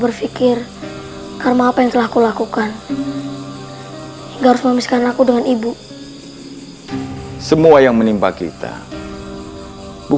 aku akan membuatmu semakin tergantung padaku